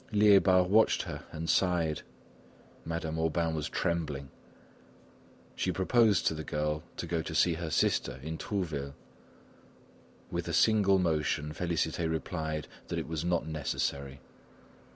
Liébard watched her and sighed. Madame Aubain was trembling. She proposed to the girl to go see her sister in Trouville. With a single motion, Félicité replied that it was not necessary.